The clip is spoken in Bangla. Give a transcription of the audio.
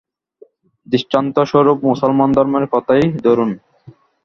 দৃষ্টান্তস্বরূপ মুসলমান ধর্মের কথাই ধরুন।